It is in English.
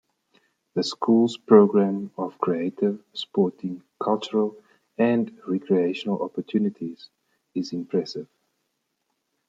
The School's programme of creative, sporting, cultural and recreational opportunities is impressive.